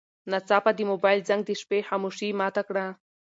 ناڅاپه د موبایل زنګ د شپې خاموشي ماته کړه.